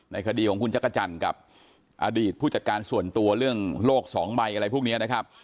คดีของคุณจักรจันทร์กับอดีตผู้จัดการส่วนตัวเรื่องโลกสองใบอะไรพวกนี้นะครับ